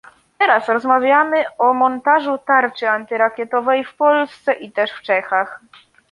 Teraz rozmawiamy o montażu tarczy antyrakietowej w Polsce i też w Czechach